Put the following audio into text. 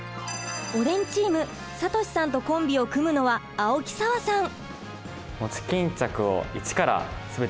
おでんチームさとしさんとコンビを組むのは青木さわさん。